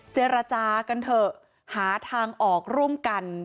เจรจากันเถอะหาทางออกร่วมกัน